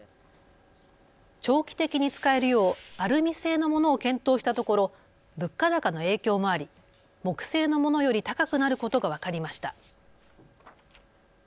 長期的に使えるようアルミ製のものを検討したところ物価高の影響もあり、木製のものより高くなることが分かりました。